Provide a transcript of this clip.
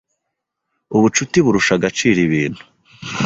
Ubucuti burusha agaciro ibintu